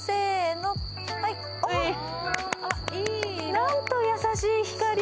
なんと優しい光。